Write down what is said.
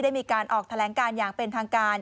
ได้มีการออกแถลงการอย่างเป็นทางการ